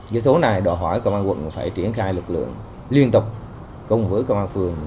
cái số này đòi hỏi công an quận phải triển khai lực lượng liên tục cùng với công an phường